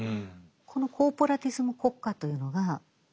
このコーポラティズム国家というのがフリードマン理論